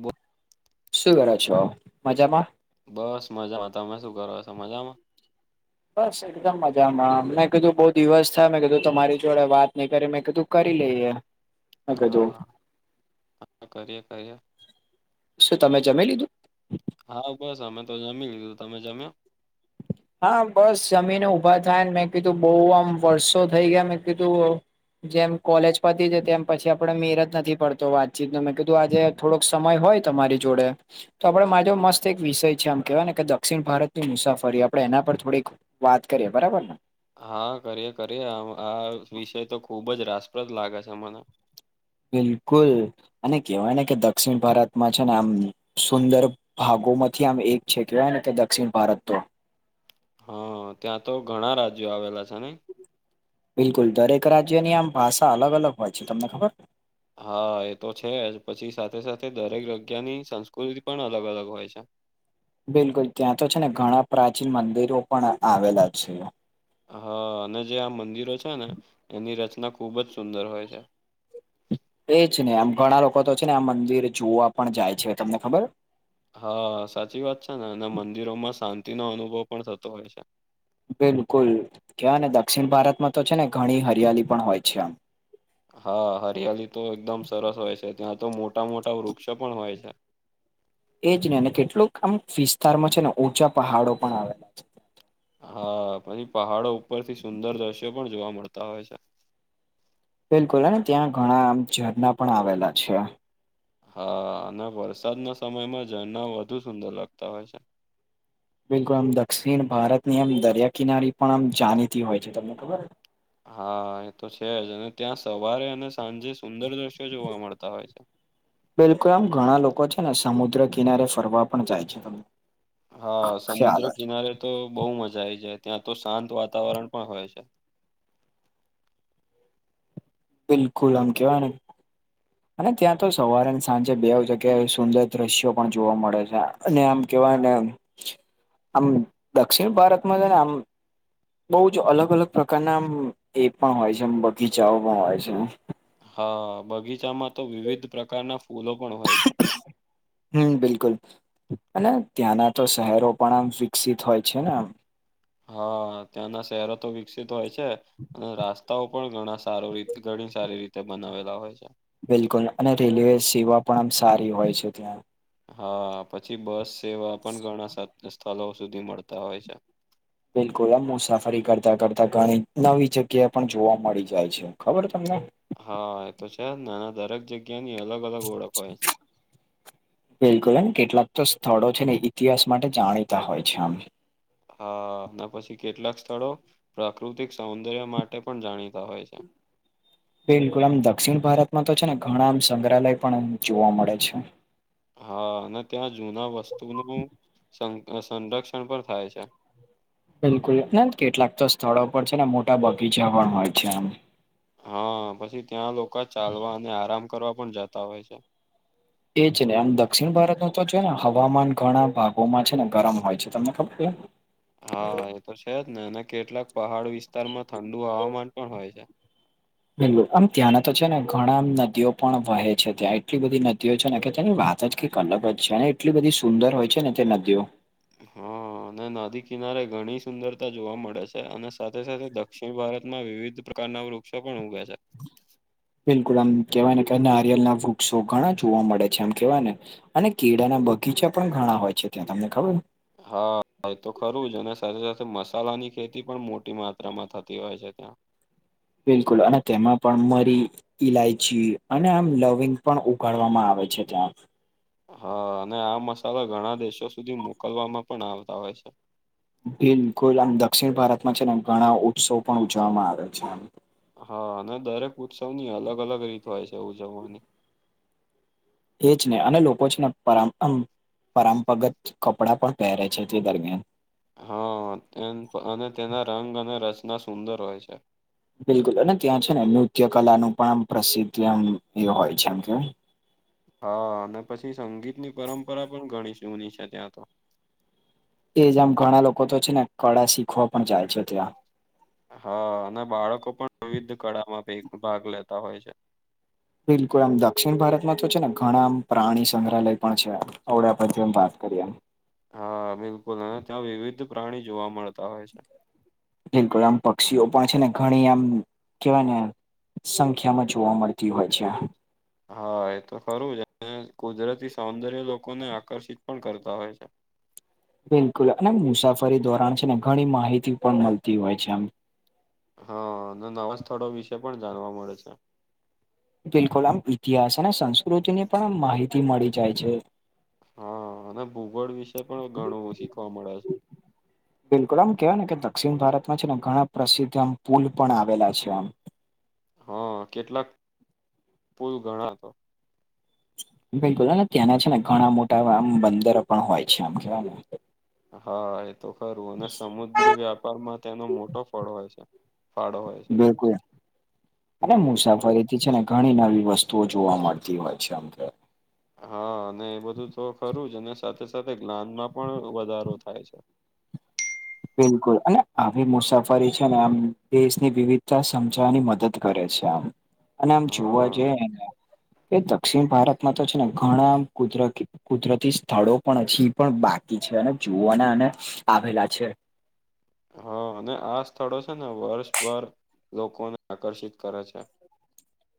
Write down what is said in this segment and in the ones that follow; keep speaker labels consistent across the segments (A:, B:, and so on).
A: બો
B: શું કરો છો? મજામાં?
A: બસ મજામાં. તમે શું કરો છો? મજામાં?
B: [unintelligible] એકદમ મજામાં. મેં કીધું બઉ દિવસ થયા, મેં કીધું તમારી જોડે વાત નઈ કરી, મેં કીધું કરી લઈએ. મેં
A: હા,
B: કીધું
A: હા, હા કરીએ, કરીએ.
B: શું તમે જમી લીધું?
A: હા, બસ અમે તો જમી લીધું. તમે જમ્યા?
B: હા બસ જમીને ઊભા થાયન, મેં કીધું બહુ આમ વર્ષો થઈ ગયા મેં કીધું જેમ કોલેજ પતી છે તેમ પછી આપડે મેળ જ નથી પડતો વાતચીત નો, મેં કીધું આજે થોડોક સમય હોય તમારી જોડે તો આપડે માજો મસ્ત એક વિષય છે, આમ કહેવાય ને કે દક્ષિણ ભારતની મુસાફરી આપ પણે એના પર થોડીક વાત કરીએ. બરાબર ને?
A: હા કરીએ, કરીએ. આમ આ વિષય તો ખુબ જ રસપ્રદ લાગે છે મને.
B: બિલકુલ. અને કહેવાય ને કે દક્ષિણ ભારતમાં છે ને આમ સુંદર ભાગો માંથી આમ એક છે કહેવાય ને કે દક્ષિણ ભારત તો.
A: હા ત્યાં તો ઘણા રાજ્યો આવેલા છે નહીં?
B: બિલકુલ દરેક રાજ્યની આમ ભાષા અલગ અલગ હોય છે, તમને ખબર
A: હા એ તો છે જ પછી સાથે સાથે દરેક જગ્યાની સંસ્કૃતિ પણ અલગ અલગ હોય છે.
B: બિલકુલ ત્યાં તો છેને, ઘણા પ્રાચીન મંદિરો પણ આવેલા છે.
A: હા અને જે આ મંદિરો છેને, એની રચના ખુબ જ સુંદર હોય છે.
B: એ જ ને આમ ઘણા લોકો તો છેને, આ મંદિર જોવા પણ જાય છે તમને ખબર
A: હા સાચી વાત છે ને અને મંદિરોમાં શાંતિનોો અનુભવ પણ થતો હોય છે.
B: બિલકુલ કહેવાયદક્ષિણ ભારતમાં તો છે ને ઘણી હરિયાળી પણ હોય છે, આમ
A: હા હરિયાલી તો એકદમ સરસ હોય છે, ત્યાં તો મોટા મોટા વૃક્ષો પણ હોય છે.
B: એજ ન અને કેટલુંક આમ વિસ્તારમાં છેને, ઓછા પહાડો પણ આવેલા
A: હા પછી પહાડો ઉપરથી સુંદર દ્રશ્યો પણ જોવા મળતા હોય છે.
B: બિલકુલ અને ત્યાં ઘણા ઝરણા પણ આવેલા છે.
A: હા અને વરસાદના સમયમાં ઝરણા વધુ સુંદર લાગતા હોય છે.
B: બિલકુલ આમ દક્ષિણ ભારતની આમ દરિયા કિનારી પણ આમ જાણીતી હોય છે, તમને ખબર
A: હા એ તો છે જ અને ત્યાં સવારે અને સાંજે સુંદર દ્રશ્યો જોવા મળતા હોય છે.
B: બિલકુલ આમ ઘણા લોકો છેને, સમુદ્ર કિનારે ફરવા પણ જાય છે.
A: હા સમુદ્ર
B: ખ્યાલ જ
A: કિનારે તો બહુ મજા આવી જાય ત્યાં તો શાંત વાતાવરણ પણ હોય છે.
B: બિલકુલ આમ કહેવાય ને અને ત્યાં તો સવારેને સાંજે બે જગ્યાએ સુંદર દ્રશ્યો પણ જોવા મળે છે, અને આમ કહેવાય ન
A: [inaudible]
B: આમ દક્ષિણ ભારતમા છે ને આમ બઉ જ અલગ અલગ પ્રકારના આમ એ પણ હોય છેબગીચાઓ પણ હોય છે.
A: હા બગીચામાં તો વિવિધ પ્રકારના ફૂલો પણ હોય છે.
B: હમ્મ બિલકુલ અને ત્યાંના તો શહેરો પણ આમ વિકસિત હોય છે ને આમ
A: હા ત્યાંના શહેરો તો વિકસિત હોય છે અને રાસ્તાઓ પણ ગણ. સારું રી ઘણી સારી રીતે બનાવેલા હોય છે.
B: બિલકુલ અને રેલવે સેવા પણ આમ સારી હોય છે ત્યા
A: હા પછી બસ સેવા પણ ઘણા સ્થળો સુધી મળતા હોય છે.
B: બિલકુલ આમ મુસાફરી કરતા કરતા ઘણી નવી જગ્યા પણ જોવા મળી જાય છે, ખબર તમને
A: હા એ તો છે નાના દરેક જગ્યાની અલગ અલગ ઓળખ હોય છે.
B: બિલકુલ એમ કેટલાક તો સ્થળો છે ને ઇતિહાસ માટે જાણીતા હોય છે, આમ
A: હા ના પછી કેટલાક સ્થળો પ્રાકૃતિક સૌંદર્ય માટે પણ જાણીતા હોય છે.
B: બિલકુલ આમ દક્ષિણ ભારતમાં તો છેને, ઘણા આમ સંગ્રહાલય પણ જોવા મળે છે.
A: હા અને ત્યાં જૂના વસ્તુનું સંરક્ષણ પણ થાય છે.
B: બિલકુલ ના કેટલાક તો સ્થળો પર છે ને મોટા બગીચા પણ હોય છે, આમ
A: હા પછી ત્યાં લોકો ચાલવા અને આરામ કરવા પણ જતા હોય છે.
B: એ જ નહી આમ દક્ષિણ ભારતના તો જો ને હવામાન ઘણા ભાગોમાં છે ને ગરમ હોય છે તમને ખબર છે.
A: હા એ તો છે જ ને અને કેટલાક પહાડ વિસ્તારમાં ઠંડુ હવામાન પણ હોય છે.
B: બિલકુલ આમ ત્યાંના તો છે ને ઘણા નદીઓ પણ વહે છે, ત્યાં એટલી બધી નદીઓ છે ને કે તેની વાત વાત જ કંઈક અલગ છે અને એટલી બધી સુંદર હોય છેને, તે નદીઓ
A: હા અને નદી કિનારે ઘણી સુંદરતા જોવા મળે છે, અને સાથે સાથે દ દક્ષિણ ભારતમાં વિવિધ પ્રકારના વૃક્ષો પણ ઉગે છે.
B: બિલકુલ આમ કેવાય ને નારિયળના વૃક્ષો ઘણા જોવા મળે છે, આમ કેવાય ને અને કેળાના બગીચા પણ ઘણા હોય છે, ત્યાં તમને ખબર
A: હા તો ખરું જ અને સાથે સાથે મસાલાની ખેતી પણ મોટી માત્રામાં થતી હોય છે, ત્યાં
B: બિલકુલ અને તેમાં પણ મરી ઈલાયચી અને આમ લવિંગ પણ ઉગાડવામાં આવે છે, ત્યા
A: હા અને આ મસાલા ઘણા દેશો સુધી મોકલવામાં પણ આવતા હોય છે.
B: બિલકુલ આમ દક્ષિણ ભારતમાં છેને, ઘણા ઉત્સવ પણ ઉજવવામાં આવે છે.
A: હા અને દરેક ઉત્સવની અલગ અલગ રીત હોય છે, ઉજવવાની
B: એ જ ને અને લોકો છે ને પર પરંપરાગત કપડાં પણ પહેરે છે તે દરમિયાન
A: હા એ અને તેના રંગ અને રચના સુંદર હોય છે.
B: બિલકુલને ત્યાં છે ને નૃત્ય કલા નું પણ પ્રસિદ્ધ એમ એ હોય છે એમ કે
A: હા અને પછી સંગીતની પરંપરા પણ ઘણી જૂની છે ત્યાં તો
B: એ જ આમ ઘણા લોકો તો છે ને કળા શીખવા પણ જાય છે ત્યાં
A: હા અને બાળકો પણ વિવિધ કળામાં ભાગ લેતા હોય છે.
B: બિલકુલ આમ દક્ષિણ ભારતમાં તો છે ને ઘણા આમ પ્રાણી સંગ્રહાલય પણ છે અડ પરથી વાત કરીએમ
A: હા બિલકુલ હ ત્યાં વિવિધ પ્રાણી જોવા મળતા હોય છે.
B: બિલકુલ આમ પક્ષીઓ પણ છે ને ઘણી આમ કેવાય ને સંખ્યા માં જોવા મળતી હોય છે.
A: હા એ તો ખરું છે અને કુદરતી સૌંદર્ય લોકોને આકર્ષિત પણ કરતા હોય છે.
B: બિલકુલ અને મુસાફરી દોરણ છે ને ઘણી માહિતી પણ મળતી હોય છે આમ
A: હા અને નવા સ્થળો વિશે પણ જાણવા મળે છે.
B: બિલકુલ આમ ઇતિહાસ અને સંસ્કૃતિની પણ માહિતી મળી જાય છે.
A: હા અને ભૂગોળ વિશે પણ ઘણું શીખવા મળે છે.
B: બિલકુલ આમ કેવાય ને કે દક્ષિણ ભારતમાં છે ને ઘણા પ્રસિદ્ધ આમ પુલ પણ આવેલા છે આમ
A: હા કેટલાક પુલ ગણા તો
B: બિલકુલ ત્યાંના છે ને ઘણા મોટા આમ બંદરો પણ હોય છે આમ કેવાય
A: હા એ તો ખરું અને સમુદ્રી વ્યાપારમાં તેનો મોટો ફળ હોય છે ફાળો હોય છે
B: બિલકુલ, અને
A: હમ્મ.
B: મુસાફરી છે ને ઘણી નવી વસ્તુઓ જોવા મળતી હોય છે અમ
A: હા અને એ બધું તો ખરું જ અને સાથે સાથે જ્ઞાનમાં પણ વધારો થાય છે.
B: બિલકુલ અને આવી મુસાફરી છે ને આમ દેશની વિવિધતા સમજાવની મદદ કરે છે આમ અને આમ જોવા
A: હા
B: જઈને એ દક્ષિણ ભારતમાં તો છે ને ઘણા કુદરતી કુદરતી સ્થળો પણ હછ એ પણ બાકી છે અને જોુવાને અને આવેલા છે.
A: હા અને આ સ્થળો છે ને વર્ષભર લોકોને આકર્ષિત કરે છે.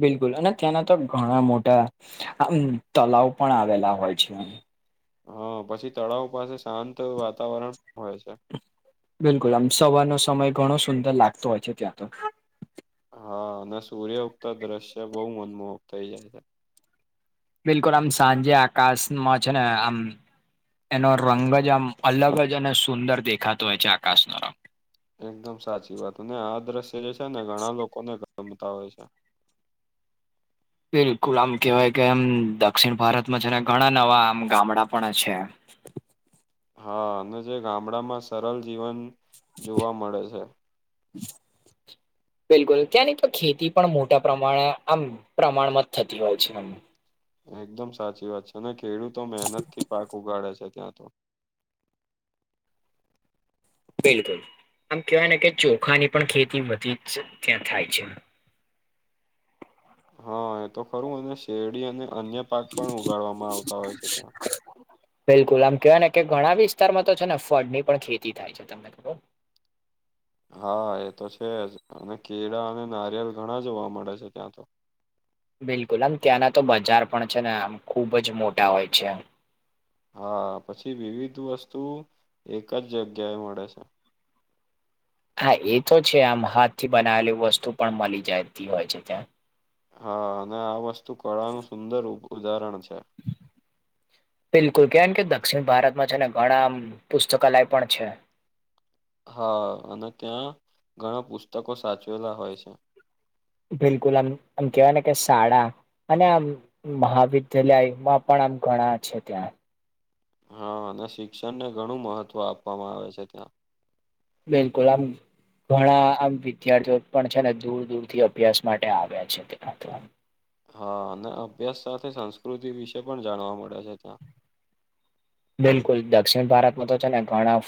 B: બિલકુલ અને ત્યાંના તો ઘણા મોટા આમ તલાવ પણ આવેલા હોય છે.
A: હા પછી તળાવ પાસે શાંત વાતાવરણ હોય છે.
B: બિલકુલ આમ સવારનો સમય ઘણો સુંદર લાગતો હોય છે ત્યાં તો
A: હા અને સૂર્ય ઉક્ત દ્રશ્ય બહુ મનમોહક થઇ જાય છે.
B: બિલકુલ આમ સાંજે આકાશમાં છે ને આમ એનો રંગ જ આમ અલગ જ અને સુંદર દેખાતો હોય છે આકાશનો રંગ
A: એકદમ સાચી વાત ને આ દ્રશ્ય જે છે ને ઘણા લોકોને ગમતા હોય છે
B: બિલકુલ આમ કેહેવાય કે એમ દક્ષિણ ભારતમાં છે ઘણા નવા આમ ગામડા પણ છે.
A: હા અને જે ગામડામાં સરળ જીવન જોવા મળે છે.
B: હમ બિલકુલ ત્યાંની તો ખેતી પણ મોટા પ્રમાણે આમ પ્રમાણમાં જ થતી હોય છે.
A: એકદમ સાચી વાત છે અને ખેડૂતો મહેનત થી પાક ઉગાડે છે ત્યાં તો
B: બિલકુલ આમ કેવાય ને કે ચોખાની પણ ખેતી બધી જ ત્યાં થાય છે.
A: હા એ તો ખરું અને શેરડી અને અન્ય પાક પણ ઉગાડવામાં આવતા હોય છે ત્યાં
B: બિલકુલ આમ કેહેવાય ને કે ઘણા વિસ્તારમાં તો છે ને ફળ ની પણ ખેતી થાય છે તમને
A: હા એ તો છે જ અને કેળા અને નારિયેલ ઘણા જોવા મળે છે ત્યાં તો
B: બિલકુલ આમ ત્યાંના તો બજાર પણ છે ને આમ ખુબ જ મોટા હોય છે
A: હા પછી વિવિધ વસ્તુ એક જ જગ્યાએ મળે છે.
B: હા એ તો છે આમ હાથ થી બનાવેલી વસ્તુ પણ મળી જતી હોય છે ત્યાં
A: હા અને આ વસ્તુ કળાનું સુંદર ઉદાહરણ છે.
B: બિલકુલ કેમ કે દક્ષિણ ભારતમાં છે ને ઘણા પુસ્તકાલય પણ છે
A: હા અને ત્યાં ઘણા પુસ્તકો સાચવેલા હોય છે
B: બિલકુલ આમ આમ કેવાય ને કે શાળા અને આમ મહાવિદ્યાલયમાં પણ આમ ઘણા છે ત્યાં
A: હા અને શિક્ષણને ઘણું મહત્વ આપવામાં આવે છે ત્યાં
B: બિલકુલ આમ. ઘણા આમ વિદ્યાર્થીઓ પણ છે ને દૂર દૂર થી અભ્યાસ માટે આવ્યા છે ત.
A: હા અને અભ્યાસ સાથે સંસ્કૃતિ વિશે પણ જાણવા મળે છે ત્યાં
B: બિલકુલ દક્ષિણ ભારતમાં તો છે ને ઘણા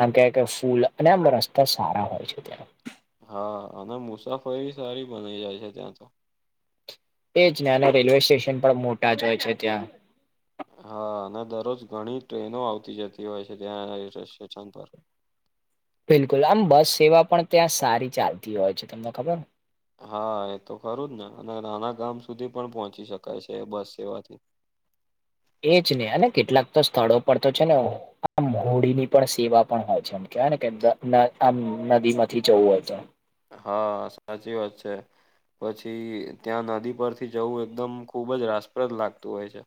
B: આમ ક કે ફૂલ અને આમ રસ્તા સારા હોય છે ત્યાં.
A: હા અને મુસાફરી સારી બનાઈ જાય છે ત્યાં તો.
B: એજ ને અને રેલવે સ્ટેશન પણ મોટા જ હોય છે ત્યાં
A: હા અને દરરોજ ઘણી ટ્રેનો આવતી જતી હોય છે ત્યાં સ્ટેશન પર
B: બિલકુલ આમ બસ સેવા પણ ત્યાં સારી ચાલતી હોય છે તમને ખબર
A: હા એ તો ખરું જ ને અને નાના ગામ સુધી પણ પહોંચી શકાય છે બસ સેવાથી
B: એજ ને અને કેટલાક તો સ્થળો પર તો છે ને આમ મોડી ની પણ સેવા પણ હોય છે એમ કેવાય ને કે આમ નદી માંથી જવું હોય તો.
A: હા સાચી વાત છે. પછી ત્યાં નદી પરથી જવું એકદમ ખુબ જ રાસપ્રદ લાગતું હોય છે.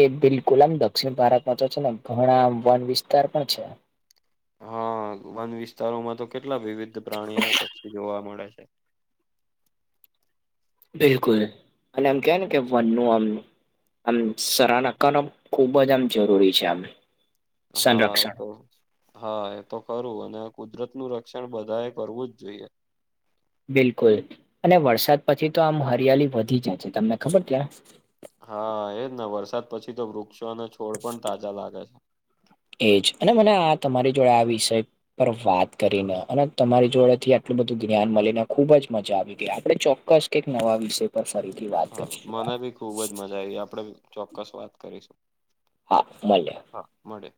B: એ બિલકુલ આમ દક્ષિણ ભારતમાં તો છે ને ઘણા વન વિસ્તાર પણ છે.
A: હા વન વિસ્તારોમાં તો કેટલા વિવિધ પ્રાણીઓને પક્ષી જોવા મળે છે.
B: બિલકુલ અને આમ કે ને કે વનનું આમ. આમ સરાહના કર ખુબ જ આમ જરૂરી છે આમ.
A: હા એ
B: સંરક્ષણ
A: તો. હા એ તો ખરું અને કુદરત નું રક્ષણ બધા એ કરવું જ જોઈએ.
B: બિલકુલ અને વરસાદ પછી તો આમ હરિયાલી વધી જાય છે તમને ખબર ત્યાં.
A: હા એજ ને વરસાદ પછી તો વૃક્ષો અને છોડ પણ તાજા લાગે છે.
B: એજ અને મને આ તમારી જોડે આ વિષય પર વાત કરીને અને તમારી જોડે થી આટલું બધું જ્ઞાન મળીને ખુબ જ મજા આવી ગઈ આપણે ચોક્કસ એક નવા વિષય પર ફરીથી. વાત
A: હા
B: કરીશું
A: મને બી ખુબ જ મજા આવી આપડે ચોક્કસ વાત કરીશું.
B: હા મલ્યા.
A: હા મળે.